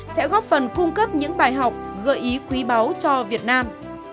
sẽ góp phần cung cấp những bài học gợi ý quý báu cho việt nam